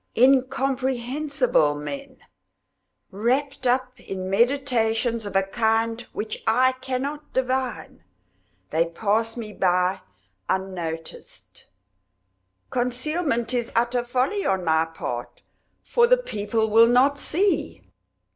Incomprehensible men! Wrapped up in meditations of a kind which I cannot divine, they pass me by unnoticed. Concealment is utter folly on my part, for the people will not see.